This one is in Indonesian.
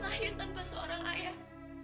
lahir tanpa suara ayah